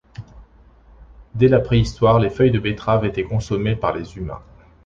Dès la préhistoire, les feuilles de betteraves étaient consommées par les humains.